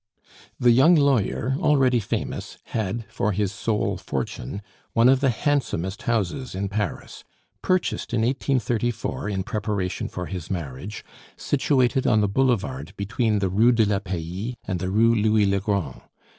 The young lawyer, already famous, had, for his sole fortune, one of the handsomest houses in Paris, purchased in 1834 in preparation for his marriage, situated on the boulevard between the Rue de la Paix and the Rue Louis le Grand.